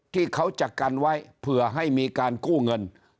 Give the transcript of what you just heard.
ที่เขาจะกันไว้เผื่อให้มีการกู้เงิน